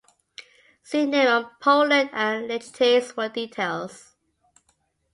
See name of Poland and Lechites for details.